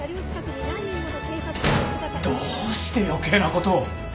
どうして余計なことを。